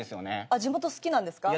あっ地元好きなんですか？